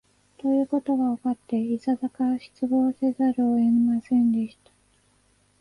ということがわかって、いささか失望せざるを得ませんでした